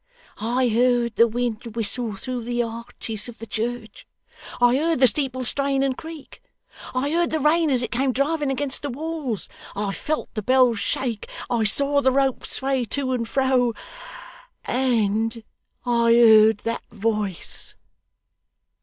I heard the wind whistle through the arches of the church. I heard the steeple strain and creak. I heard the rain as it came driving against the walls. I felt the bells shake. I saw the ropes sway to and fro. And I heard that voice.